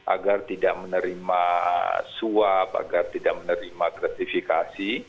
agar tidak menerima suap agar tidak menerima gratifikasi